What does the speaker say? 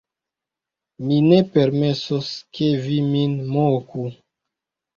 mi ne permesos, ke vi min moku!